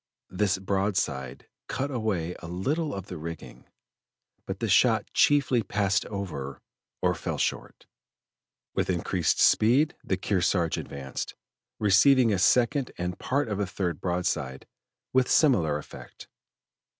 This broadside cut away a little of the rigging, but the shot chiefly passed over or fell short. With increased speed the Kearsarge advanced, receiving a second and part of a third broadside with similar effect.